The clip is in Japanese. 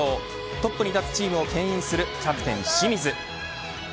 トップに立つチームをけん引するキャプテン清水。